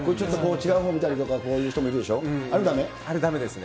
違うほう見たりとかこういうあれだめですね。